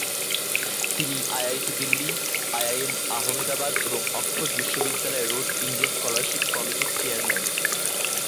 তিনি IIT Delhi, IIM Ahmedabad এবং Oxford বিশ্ববিদ্যালয়ের রোডস ইন্ডিয়া স্কলারশিপ কমিটির চেয়ারম্যান।